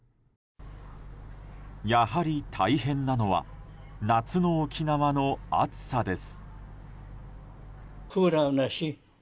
やはり大変なのは夏の沖縄の暑さです。